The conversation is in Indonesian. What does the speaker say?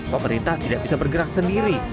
pemerintah tidak bisa bergerak sendiri